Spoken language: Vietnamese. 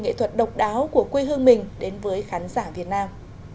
nghệ thuật độc đáo của quê hương mình đến với khán giả việt nam